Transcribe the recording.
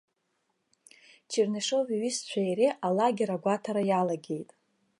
Чернышев иҩызцәеи иареи алагер агәаҭара иалагеит.